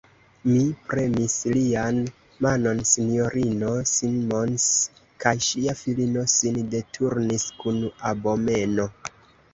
Mi premis lian manon; S-ino Simons kaj ŝia filino sin deturnis kun abomeno.